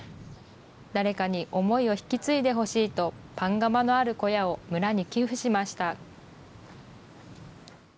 誰かに思いを引き継いでほしいと、パン窯のある小屋を村に寄付しました。